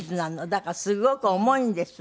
だからすごく重いんです。